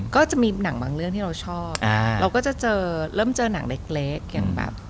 ก็จะมีหนังบางเรื่องที่เราชอบเราก็จะเจอเริ่มเจอหนังเล็กอย่างแบบ